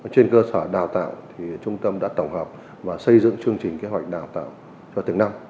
trên cơ sở đào tạo trung tâm đã tổng hợp và xây dựng chương trình kế hoạch đào tạo cho từng năm